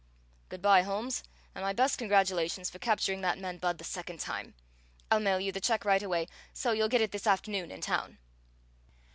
"Good by, Holmes, and my best congratulations for capturing that man Budd the second time. I'll mail you the check right away, so you'll get it this afternoon in town."